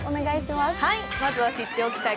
まずは知っておきたい